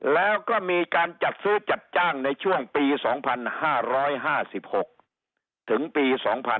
แล้วก็มีการจัดซื้อจัดจ้างในช่วงปี๒๕๕๖ถึงปี๒๕๕๙